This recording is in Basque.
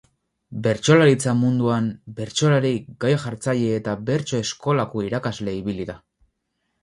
Bertsolaritza munduan, bertsolari, gai jartzaile eta bertso-eskolako irakasle ibili da.